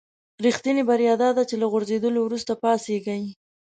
رښتینې بریا داده چې له غورځېدلو وروسته پاڅېږئ.